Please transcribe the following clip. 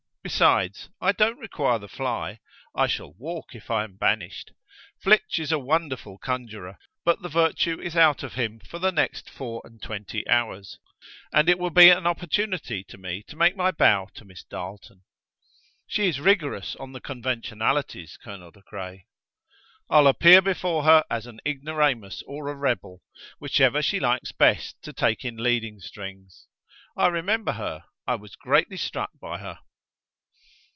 Besides, I don't require the fly; I shall walk if I am banished. Flitch is a wonderful conjurer, but the virtue is out of him for the next four and twenty hours. And it will be an opportunity to me to make my bow to Miss Darleton!" "She is rigorous on the conventionalities, Colonel De Craye." "I'll appear before her as an ignoramus or a rebel, whichever she likes best to take in leading strings. I remember her. I was greatly struck by her."